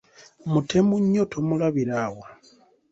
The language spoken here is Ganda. Mutemu nnyo tomulabira awo!